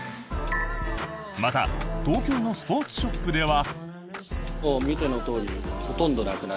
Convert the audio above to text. また、東京のスポーツショップでは。